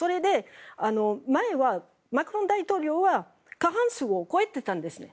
前はマクロン大統領は過半数を超えてたんです。